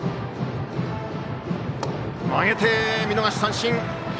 曲げて、見逃し三振！